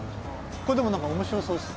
これでもなんか面白そうです。